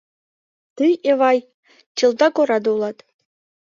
Тый, Эвай, чылтак ораде улат.